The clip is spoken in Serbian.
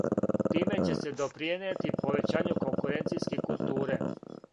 Тиме ће се допринијети повећању конкуренцијске културе.